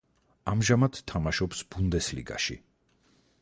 ამჟამად თამაშობს ბუნდესლიგაში.